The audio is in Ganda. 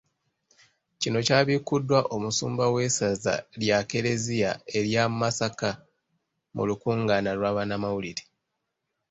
Kino kyabikkuddwa Omusumba w’essaza lya kkereziya erya Masaka mu lukungaana lwa bannamawulire.